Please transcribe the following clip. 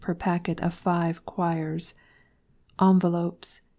per packet of Five Quires. Envelopes, 6d.